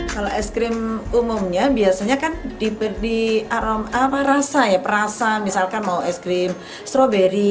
kalau aiskrim umumnya biasanya kan diberi rasa perasa misalkan mau aiskrim stroberi